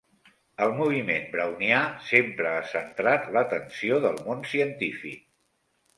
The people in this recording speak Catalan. El moviment brownià sempre ha centrat l'atenció del món científic.